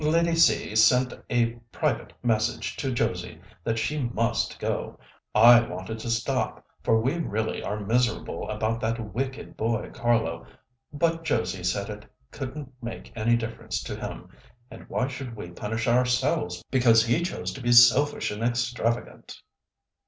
Lady C. sent a private message to Josie that she must go. I wanted to stop, for we really are miserable about that wicked boy Carlo; but Josie said it couldn't make any difference to him, and why should we punish ourselves because he chose to be selfish and extravagant."